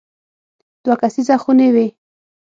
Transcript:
دوه کسیزه خونې وې.